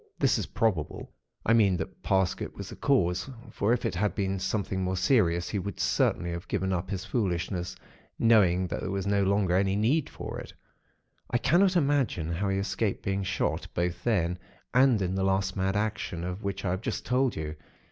This is probable, I mean that Parsket was the cause, for if it had been something more serious, he would certainly have given up his foolishness, knowing that there was no longer any need for it. I cannot imagine how he escaped being shot, both then, and in the last mad action, of which I have just told you.